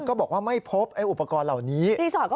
ก็บอกว่าไม่พบอุปกรณ์เหล่านี้